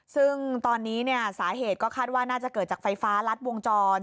ซึ่งตอนนี้สาเหตุก็คาดว่าน่าจะเกิดจากไฟฟ้ารัดวงจร